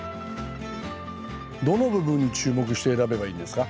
どの部分に注目して選べばいいんですか？